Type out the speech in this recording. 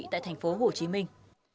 tại thành phố hồ chí minh